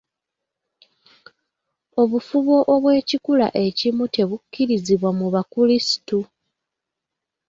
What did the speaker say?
Obufubo obw'ekikula ekimu tebukkirizibwa mu bukrisitu.